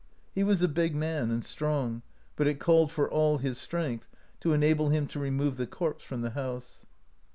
He was a big man, and strong, but it called for all [his strength], to enable him to remove the corpse from the house.